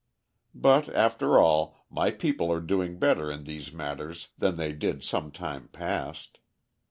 But, after all, my people are doing better in these matters than they did some time past.